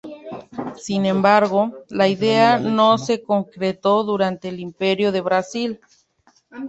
Sin embargo, la idea no se concretó durante el Imperio del Brasil.